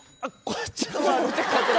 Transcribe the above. こっちのは。